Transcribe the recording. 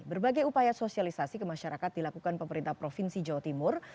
berbagai upaya sosialisasi ke masyarakat dilakukan pemerintah provinsi jawa timur